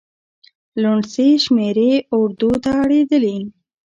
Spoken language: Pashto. لوڼسې شمېرې اردو ته اړېدلي.